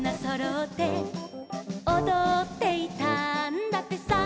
「おどっていたんだってさ」